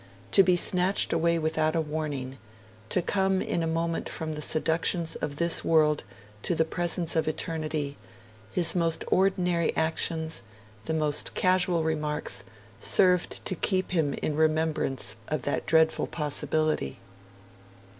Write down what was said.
To be snatched away without a warning, to come in a moment from the seductions of this World to the presence of Eternity his most ordinary actions, the most casual remarks, served to keep him in remembrance of that dreadful possibility.